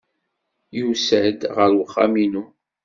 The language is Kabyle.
Yusa-d ɣer uxxam-inu.